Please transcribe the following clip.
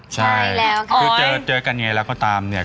ใช่คือเจอกันไงแล้วก็ตามเนี่ย